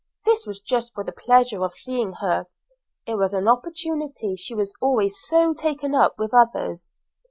This was just for the pleasure of seeing her it was an opportunity; she was always so taken up with others.